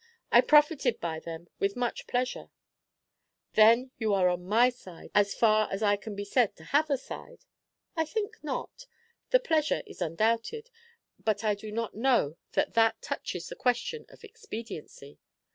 I profited by them with much pleasure." "Then you are on my side, as far as I can be said to have a side?" "I think not. The pleasure is undoubted; but I do not know that that touches the question of expediency."